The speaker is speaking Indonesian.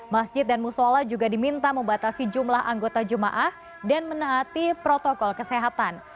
masjid dan musola juga diminta membatasi jumlah anggota jemaah dan menaati protokol kesehatan